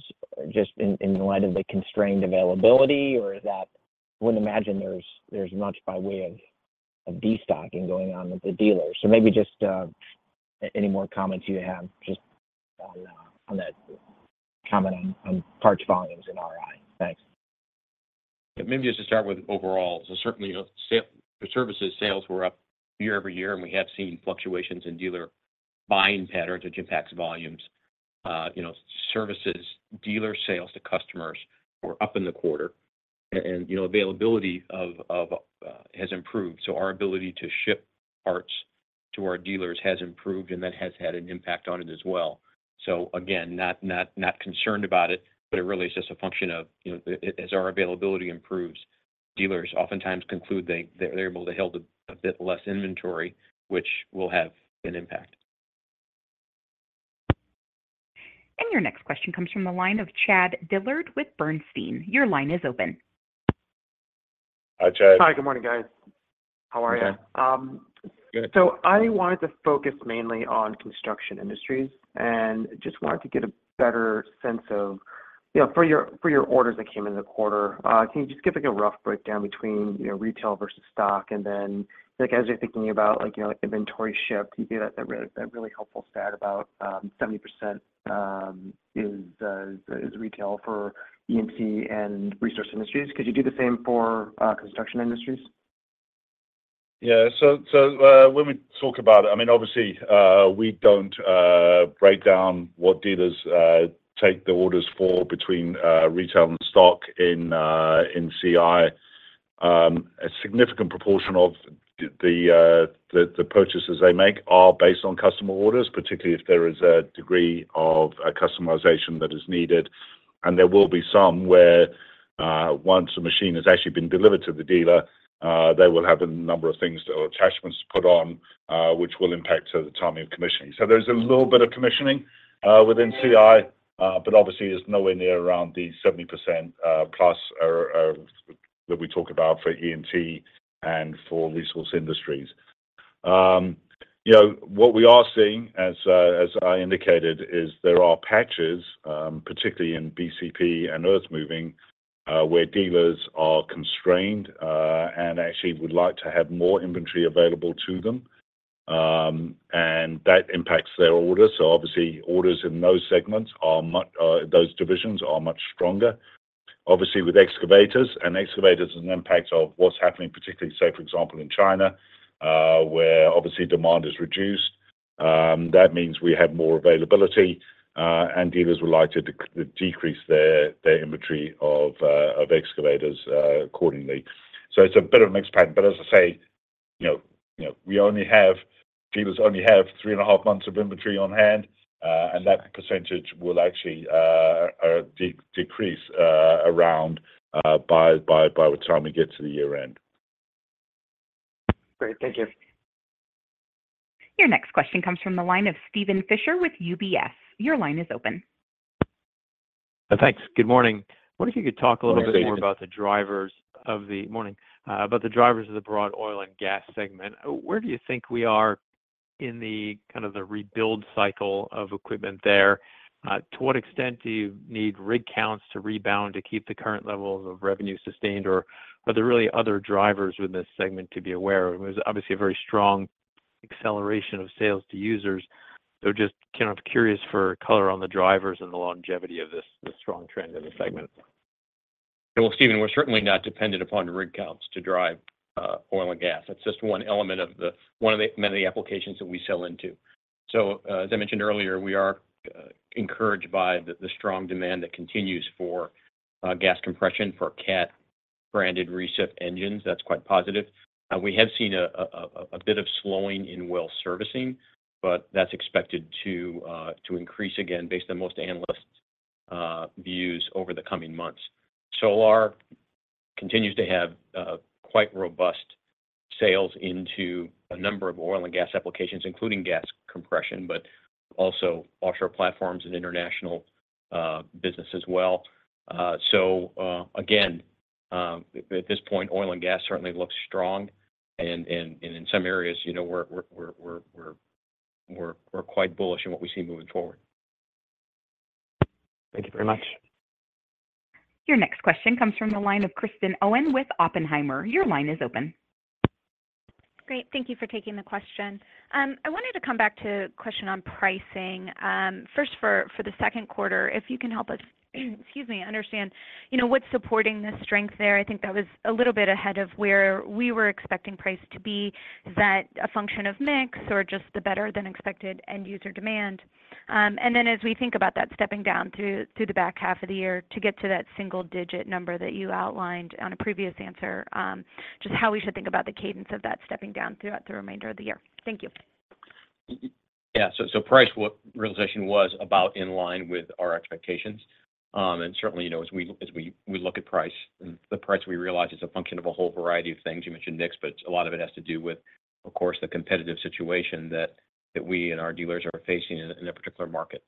just in, in light of the constrained availability, or is that? I wouldn't imagine there's, there's much by way of, of destocking going on with the dealers. Maybe just any more comments you have just on that comment on, on parts volumes in RI. Thanks. Yeah. Maybe just to start with overall. Certainly, services sales were up year-over-year, and we have seen fluctuations in dealer buying patterns, which impacts volumes. You know, services, dealer sales to customers were up in the quarter, and, you know, availability of, has improved. Our ability to ship parts to our dealers has improved, and that has had an impact on it as well. Again, not, not, not concerned about it, but it really is just a function of, you know, as our availability improves, dealers oftentimes conclude they, they're able to hold a, a bit less inventory, which will have an impact. Your next question comes from the line of Chad Dillard with Bernstein. Your line is open. Hi, Chad. Hi, good morning, guys. How are you? Good. So I wanted to focus mainly on Construction Industries and just wanted to get a better sense of, you know, for your, for your orders that came in the quarter, can you just give, like, a rough breakdown between, you know, retail versus stock? Then, like, as you're thinking about, like, you know, like, inventory shift, you gave that, that really, that really helpful stat about 70% is retail for E&T and Resource Industries. Could you do the same for Construction Industries? Yeah. When we talk about it, I mean, obviously, we don't break down what dealers take the orders for between retail and stock in CI. A significant proportion of the the purchases they make are based on customer orders, particularly if there is a degree of customization that is needed. There will be some where, once the machine has actually been delivered to the dealer, they will have a number of things or attachments put on, which will impact the timing of commissioning. There's a little bit of commissioning within CI, but obviously it's nowhere near around the 70% plus or that we talk about for E&T and for Resource Industries. you know, what we are seeing, as as I indicated, is there are patches, particularly in BCP and earthmoving, where dealers are constrained, and actually would like to have more inventory available to them. That impacts their order. Obviously, orders in those segments are much, those divisions are much stronger. Obviously, with excavators, and excavators is an impact of what's happening, particularly, say, for example, in China, where obviously demand is reduced. That means we have more availability, and dealers would like to de-decrease their, their inventory of, of excavators, accordingly. It's a bit of a mixed pattern, but as I say, you know, you know, dealers only have 3.5 months of inventory on hand, and that % will actually decrease around by the time we get to the year-end. Great. Thank you. Your next question comes from the line of Steven Fisher with UBS. Your line is open. Thanks. Good morning. Good morning, Steven. I wonder if you could talk a little bit more about the drivers of the. Morning. About the drivers of the broad oil and gas segment. Where do you think we are in the kind of the rebuild cycle of equipment there? To what extent do you need rig counts to rebound to keep the current levels of revenue sustained, or are there really other drivers in this segment to be aware of? It was obviously a very strong acceleration of sales to users. Just kind of curious for color on the drivers and the longevity of this, this strong trend in the segment. Well, Steven, we're certainly not dependent upon the rig counts to drive oil and gas. That's just one element of one of the many applications that we sell into. As I mentioned earlier, we are encouraged by the strong demand that continues for gas compression for Cat-branded reciprocating engines. That's quite positive. We have seen a bit of slowing in well servicing, but that's expected to increase again, based on most analysts' views over the coming months. Solar continues to have quite robust sales into a number of oil and gas applications, including gas compression, but also offshore platforms and international business as well. Again, at this point, oil and gas certainly looks strong and, and, and in some areas, you know, we're, we're, we're, we're, we're, we're quite bullish on what we see moving forward. Thank you very much. Your next question comes from the line of Kristen Owen with Oppenheimer. Your line is open. Great. Thank you for taking the question. I wanted to come back to a question on pricing. First, for, for the second quarter, if you can help us, excuse me, understand, you know, what's supporting the strength there? I think that was a little bit ahead of where we were expecting price to be. Is that a function of mix or just the better-than-expected end user demand? Then as we think about that stepping down through, through the back half of the year to get to that single-digit number that you outlined on a previous answer, just how we should think about the cadence of that stepping down throughout the remainder of the year? Thank you. Yeah. So price, what realization was about in line with our expectations. certainly, you know, as we, we look at price, and the price we realize is a function of a whole variety of things. You mentioned mix, but a lot of it has to do with, of course, the competitive situation that we and our dealers are facing in a particular market.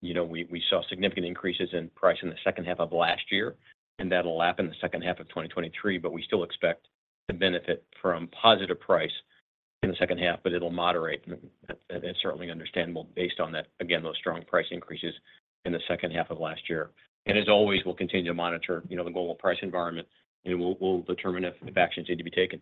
you know, we saw significant increases in price in the second half of last year, and that'll lap in the second half of 2023, but we still expect to benefit from positive price in the second half, but it'll moderate. that's certainly understandable based on that, again, those strong price increases in the second half of last year. As always, we'll continue to monitor, you know, the global price environment, and we'll, we'll determine if, if actions need to be taken.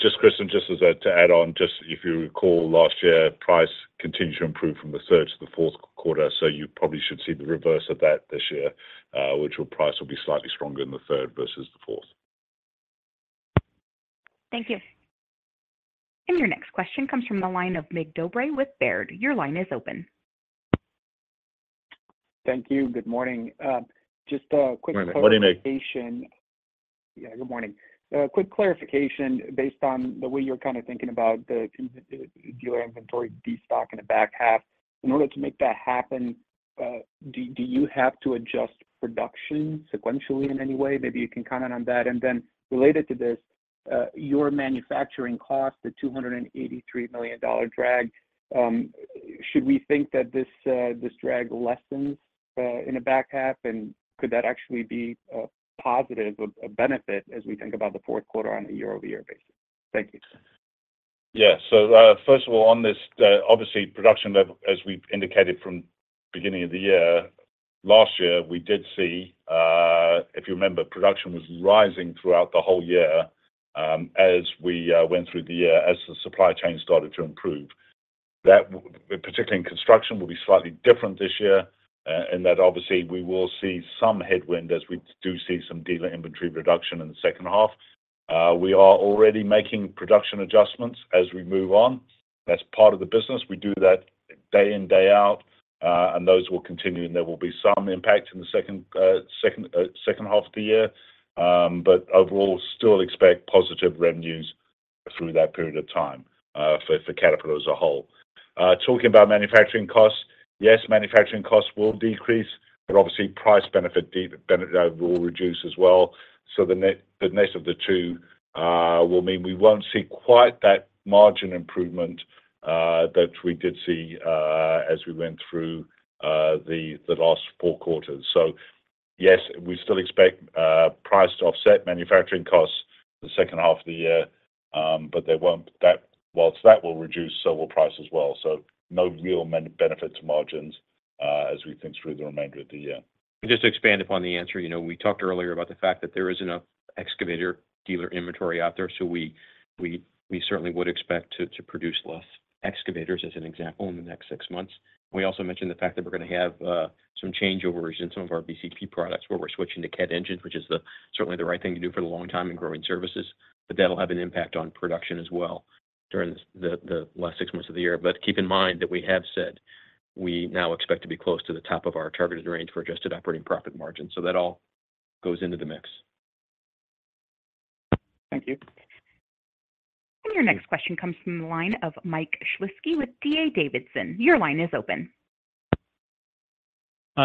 Just, Kristin, just to add on, just if you recall, last year, price continued to improve from the third to the fourth quarter, so you probably should see the reverse of that this year, which price will be slightly stronger in the third versus the fourth. Thank you. Your next question comes from the line of Mircea Dobre with Baird. Your line is open. Thank you. Good morning. Just a quick clarification- Good morning, Mig. Yeah, good morning. A quick clarification based on the way you're kind of thinking about the dealer inventory destock in the back half. In order to make that happen, do you have to adjust production sequentially in any way? Maybe you can comment on that. Then related to this, your manufacturing cost, the $283 million drag, should we think that this drag lessens in the back half? Could that actually be a positive, a benefit as we think about the fourth quarter on a year-over-year basis? Thank you. Yeah. First of all, on this, obviously, production level, as we've indicated from beginning of the year, last year, we did see, if you remember, production was rising throughout the whole year, as we went through the year, as the supply chain started to improve. That, particularly in construction, will be slightly different this year, in that obviously we will see some headwind as we do see some dealer inventory reduction in the second half. We are already making production adjustments as we move on. That's part of the business. We do that day in, day out, and those will continue, and there will be some impact in the second, second, second half of the year. Overall, still expect positive revenues through that period of time, for, for Caterpillar as a whole. Talking about manufacturing costs, yes, manufacturing costs will decrease, but obviously price benefit, benefit will reduce as well. The net, the net of the two, will mean we won't see quite that margin improvement that we did see as we went through the, the last four quarters. Yes, we still expect price to offset manufacturing costs the second half of the year, but they won't whilst that will reduce, so will price as well. No real benefit to margins as we think through the remainder of the year. Just to expand upon the answer, you know, we talked earlier about the fact that there isn't enough excavator dealer inventory out there, so we certainly would expect to produce less excavators, as an example, in the next six months. We also mentioned the fact that we're gonna have some changeovers in some of our BCP products, where we're switching to Cat engines, which is certainly the right thing to do for the long time in growing services. That'll have an impact on production as well during the last six months of the year. Keep in mind that we have said we now expect to be close to the top of our targeted range for adjusted operating profit margin. That all goes into the mix. Thank you. Your next question comes from the line of Michael Shlisky with D.A. Davidson. Your line is open.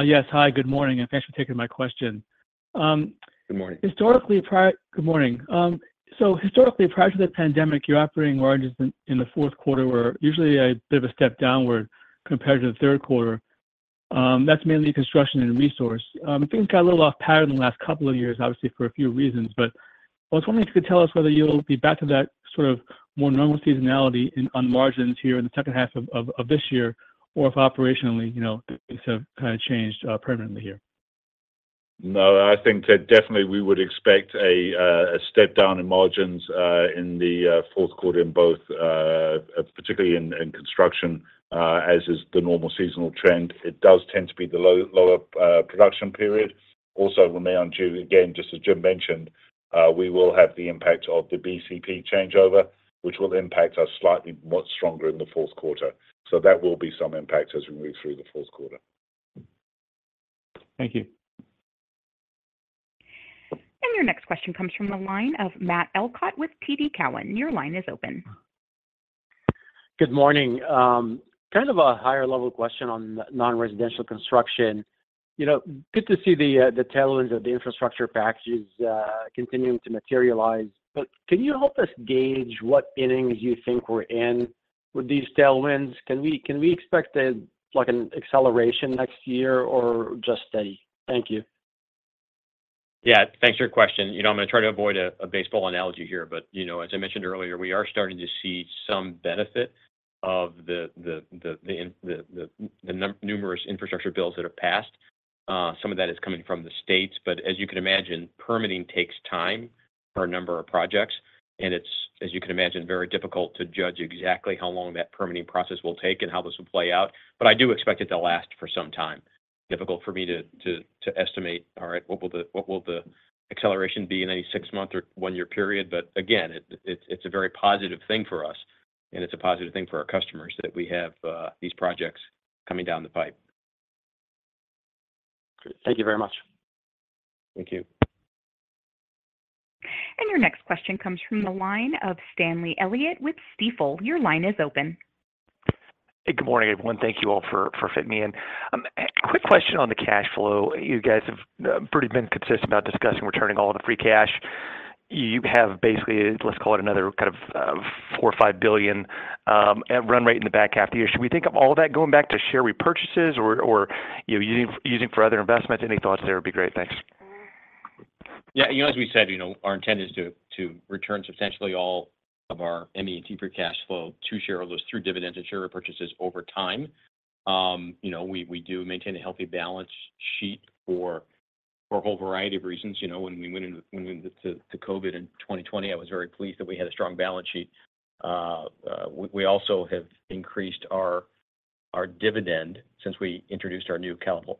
Yes. Hi, good morning, and thanks for taking my question. Good morning. Historically, prior... Good morning. Historically, prior to the pandemic, your operating margins in, in the fourth quarter were usually a bit of a step downward compared to the third quarter. That's mainly construction and resource. Things got a little off pattern in the last couple of years, obviously for a few reasons, but I was wondering if you could tell us whether you'll be back to that sort of more normal seasonality in, on margins here in the second half of, of, of this year, or if operationally, you know, things have kind of changed, permanently here? No, I think that definitely we would expect a step down in margins in the fourth quarter in both particularly in construction as is the normal seasonal trend. It does tend to be the low, lower production period. Also, we may, on June, again, just as Jim mentioned, we will have the impact of the BCP changeover, which will impact us slightly much stronger in the fourth quarter. That will be some impact as we move through the fourth quarter. Thank you. Your next question comes from the line of Matthew Elkott with TD Cowen. Your line is open. Good morning. kind of a higher level question on non-residential construction. You know, good to see the, the tailwinds of the infrastructure packages, continuing to materialize, but can you help us gauge what innings you think we're in with these tailwinds? Can we, can we expect a, like, an acceleration next year or just steady? Thank you. Yeah, thanks for your question. You know, I'm gonna try to avoid a baseball analogy here, but, you know, as I mentioned earlier, we are starting to see some benefit of the numerous infrastructure bills that have passed. Some of that is coming from the States. As you can imagine, permitting takes time for a number of projects, and it's, as you can imagine, very difficult to judge exactly how long that permitting process will take and how this will play out. I do expect it to last for some time. Difficult for me to estimate, all right, what will the, what will the acceleration be in a six-month or one-year period? Again, it, it's a very positive thing for us, and it's a positive thing for our customers that we have, these projects coming down the pipe. Great. Thank you very much. Thank you. Your next question comes from the line of Stanley Elliott with Stifel. Your line is open. Hey, good morning, everyone. Thank you all for fitting me in. Quick question on the cash flow. You guys have pretty been consistent about discussing returning all of the free cash. You have basically, let's call it another kind of $4 billion-$5 billion at run rate in the back half of the year. Should we think of all that going back to share repurchases or, you know, using for other investments? Any thoughts there would be great. Thanks. Yeah, you know, as we said, you know, our intent is to return substantially all of our ME&T free cash flow to shareholders through dividends and share repurchases over time. You know, we do maintain a healthy balance sheet for a whole variety of reasons. You know, when we went into, went into, to COVID in 2020, I was very pleased that we had a strong balance sheet. We also have increased our dividend since we introduced our new capital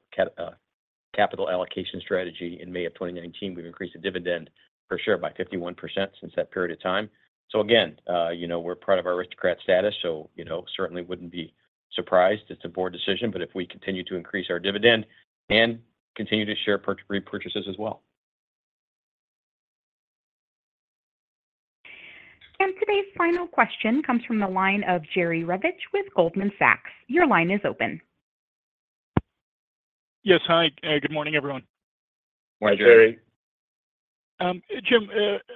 allocation strategy in May of 2019. We've increased the dividend per share by 51% since that period of time. Again, you know, we're proud of our Aristocrat status, so, you know, certainly wouldn't be surprised.It's a board decision, but if we continue to increase our dividend and continue to share repurchases as well. Today's final question comes from the line of Jerry Revich with Goldman Sachs. Your line is open. Yes. Hi, good morning, everyone. Good morning, Jerry. Jim,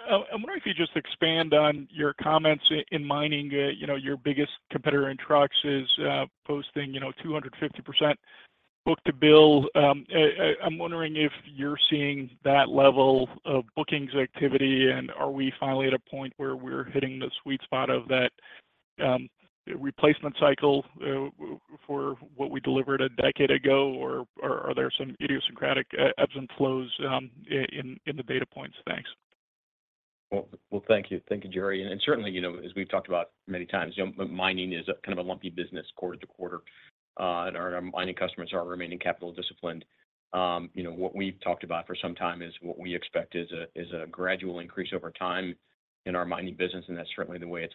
I wonder if you just expand on your comments in mining. You know, your biggest competitor in trucks is posting, you know, 250% book to bill. I'm wondering if you're seeing that level of bookings activity, and are we finally at a point where we're hitting the sweet spot of that replacement cycle for what we delivered a decade ago? Or are there some idiosyncratic ebbs and flows in the data points? Thanks. Well, well, thank you. Thank you, Jerry. Certainly, you know, as we've talked about many times, you know, mining is a kind of a lumpy business quarter to quarter. Our mining customers are remaining capital disciplined. You know, what we've talked about for some time is what we expect is a, is a gradual increase over time in our mining business, and that's certainly the way it's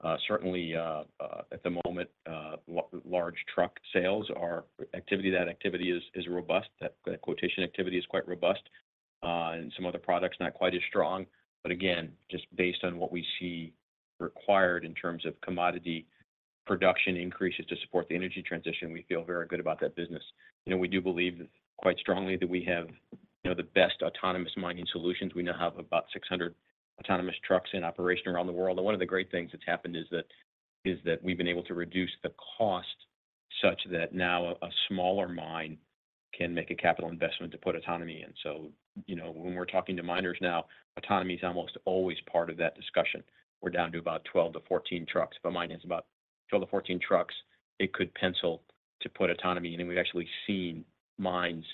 played out. Certainly, at the moment, large truck sales, our activity, that activity is, is robust. That quotation activity is quite robust, and some other products, not quite as strong. Again, just based on what we see required in terms of commodity production increases to support the energy transition, we feel very good about that business. You know, we do believe quite strongly that we have, you know, the best autonomous mining solutions. We now have about 600 autonomous trucks in operation around the world. One of the great things that's happened is that we've been able to reduce the cost such that now a smaller mine can make a capital investment to put autonomy in. You know, when we're talking to miners now, autonomy is almost always part of that discussion. We're down to about 12 to 14 trucks. If a mine has about 12 to 14 trucks, it could pencil to put autonomy in, and we've actually seen mines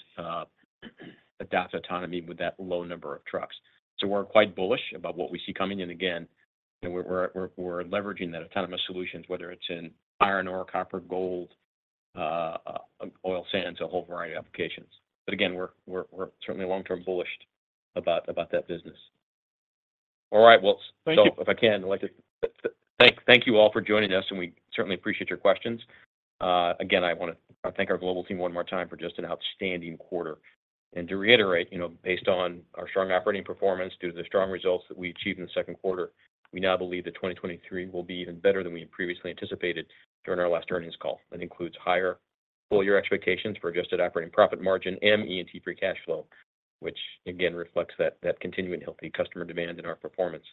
adopt autonomy with that low number of trucks. We're quite bullish about what we see coming in. Again, we're, we're, we're, we're leveraging that autonomous solutions, whether it's in iron ore, copper, gold, oil sands, a whole variety of applications. Again, we're, we're, we're certainly long-term bullish about, about that business. All right. Well- Thank you. If I can, I'd like to thank, thank you all for joining us, and we certainly appreciate your questions. Again, I wanna thank our global team one more time for just an outstanding quarter. To reiterate, you know, based on our strong operating performance, due to the strong results that we achieved in the second quarter, we now believe that 2023 will be even better than we previously anticipated during our last earnings call. That includes higher full year expectations for adjusted operating profit margin and ME&T free cash flow, which again, reflects continuing healthy customer demand in our performance.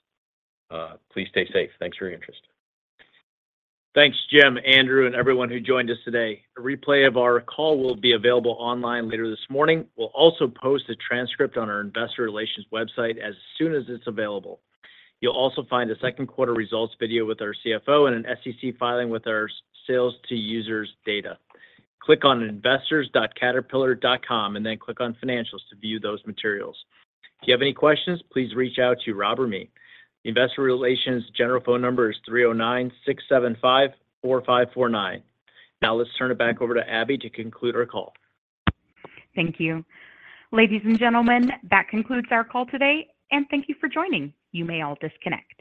Please stay safe. Thanks for your interest. Thanks, Jim, Andrew, and everyone who joined us today. A replay of our call will be available online later this morning. We'll also post a transcript on our investor relations website as soon as it's available. You'll also find a second quarter results video with our CFO and an SEC filing with our sales to users data. Click on investors.caterpillar.com, and then click on Financials to view those materials. If you have any questions, please reach out to Rob or me. Investor relations general phone number is 309 675 4549. Let's turn it back over to Abby to conclude our call. Thank you. Ladies and gentlemen, that concludes our call today, and thank you for joining. You may all disconnect.